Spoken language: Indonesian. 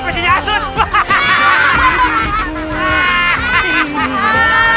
sebut dengan ikan